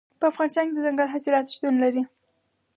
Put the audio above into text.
په افغانستان کې دځنګل حاصلات شتون لري.